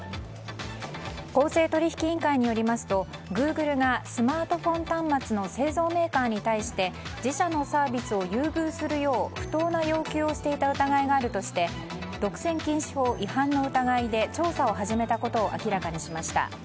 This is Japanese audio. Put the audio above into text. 公正取引委員会によりますとグーグルがスマートフォン端末の製造メーカーに対して自社のサービスを優遇するよう不当な要求をしていた疑いがあるとして独占禁止法違反の疑いで調査を始めたことを明らかにしました。